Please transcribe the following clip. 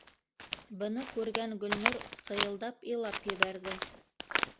Быны күргән Гөлнур сыйылдап илап ебәрҙе.